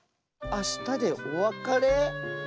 あしたでおわかれ？